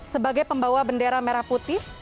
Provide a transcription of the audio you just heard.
sebagai pembawa bendera merah putih